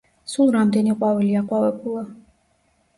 სულ რამდენი ყვავილი აყვავებულა?